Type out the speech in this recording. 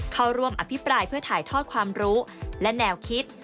เข้าร่วมอภิปรายเพื่อถ่ายทอดความรู้และแนวคิด